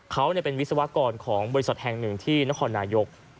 เขาเป็นวิศวกรของบริษัทแห่งหนึ่งที่นครนายก